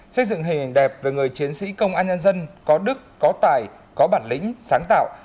xây dựng hình hình đẹp về người chiến sĩ công an nhân dân có đức có tài có bản lĩnh sáng tạo